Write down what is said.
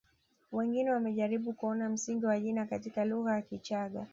Wengine wamejaribu kuona msingi wa jina katika lugha ya Kichaga